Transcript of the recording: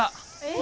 え！